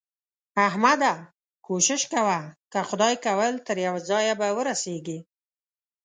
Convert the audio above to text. احمده! کوښښ کوه؛ که خدای کول تر يوه ځايه به ورسېږې.